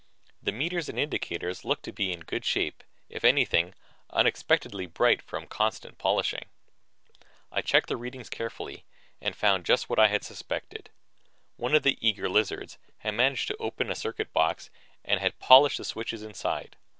The meters and indicators looked to be in good shape; if anything, unexpectedly bright from constant polishing. I checked the readings carefully and found just what I had suspected. One of the eager lizards had managed to open a circuit box and had polished the switches inside.